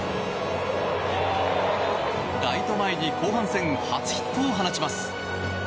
ライト前に後半戦初ヒットを放ちます。